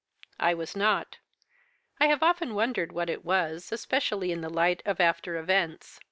"'I was not. I have often wondered what it was, especially in the light of after events.